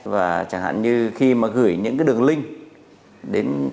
và chẳng hạn như khi mà gửi những cái đường link đến